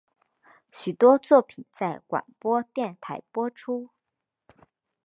许多作品在广播电台播出。